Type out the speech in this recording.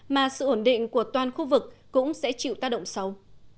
mà sự ổn định của toàn khu vực cũng sẽ chịu tác động xấu